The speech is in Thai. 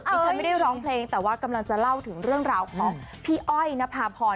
ฉันไม่ได้ร้องเพลงแต่ว่ากำลังจะเล่าถึงเรื่องราวของพี่อ้อยนภาพร